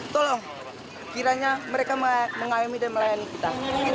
tolong kiranya mereka mengalami dan melayani kita